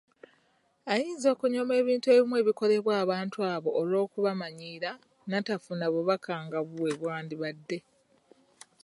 Ayinza okunyooma ebintu ebimu ebikolebwa abantu abo olw’okubamanyiira n'atafuna bubaka nga bwe bwandibadde.